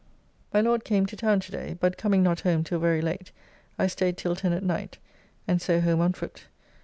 "] My Lord came to town to day, but coming not home till very late I staid till 10 at night, and so home on foot.